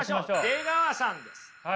出川さんです。